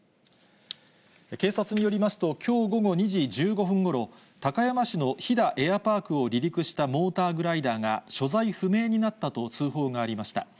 警察によりますと、きょう午後２時１５分ごろ、高山市の飛騨エアパークを離陸したモーターグライダーが所在不明になったと通報がありました。